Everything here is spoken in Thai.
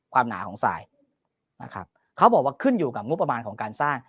หนาของสายนะครับเขาบอกว่าขึ้นอยู่กับงบประมาณของการสร้าง